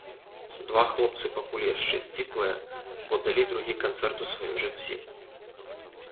Два хлопцы, пакуль яшчэ сціплыя, бо далі другі канцэрт у сваім жыцці.